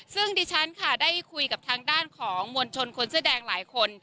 ซึ่งดิฉันค่ะได้คุยกับทางด้านของมวลชนคนเสื้อแดงหลายคน